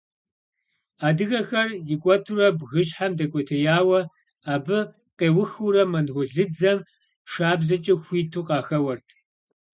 Адыгэхэр икӏуэтурэ бгыщхьэм дэкӏуэтеяуэ, абы къеухыурэ монголыдзэм шабзэкӏэ хуиту къахэуэрт.